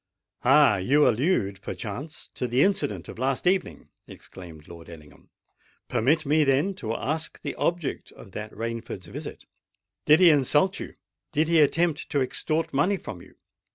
"Ah! you allude, perchance, to the incident of last evening!" exclaimed Lord Ellingham. "Permit me, then, to ask the object of that Rainford's visit? Did he insult you? did he attempt to extort money from you?